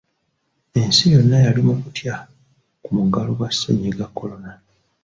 Ensi yonna yali mu kutya ku muggalo gwa Ssennyiga Corona